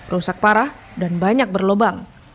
rusak parah dan banyak berlobang